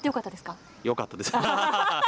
よかったです。